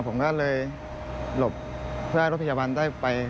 ผมก็เลยหลบเพื่อให้รถพยาบาลได้ไป